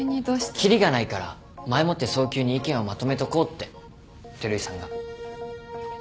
切りがないから前もって早急に意見をまとめとこうって照井さんが。